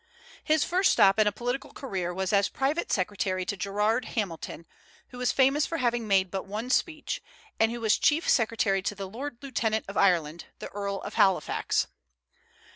His first step in a political career was as private secretary to Gerard Hamilton, who was famous for having made but one speech, and who was chief secretary to the Lord Lieutenant of Ireland, the Earl of Halifax.